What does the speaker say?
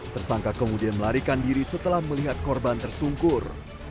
tersangka kemudian melarikan diri setelah melihat korban tersungkur